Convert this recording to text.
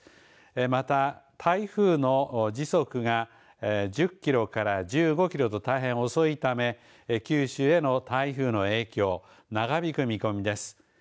また、台風の時速が１０キロから１５キロと大変遅いため九州への台風の影響長引く見込みです。